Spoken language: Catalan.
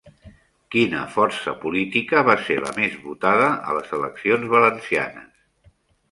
Quina força política va ser la més votada a les eleccions valencianes?